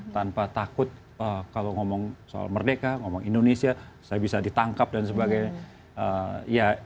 tanpa takut kalau ngomong soal merdeka ngomong indonesia saya bisa ditangkap dan sebagainya